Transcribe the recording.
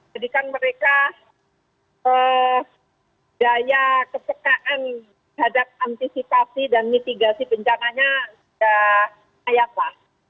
jadikan mereka daya kesekaan hadap antisipasi dan mitigasi bencangannya sudah ayatlah